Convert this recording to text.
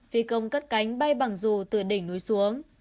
phi công cắt cánh bay bằng rù từ đỉnh núi xuống